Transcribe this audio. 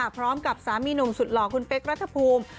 สามีหนุ่มสุดหล่อคุณเป๊กรัฐภูมิ